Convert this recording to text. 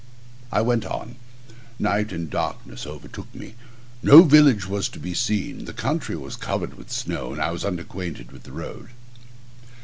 I went on: night and darkness overtook me. No village was to be seen. The country was covered with snow, and I was unacquainted with the road.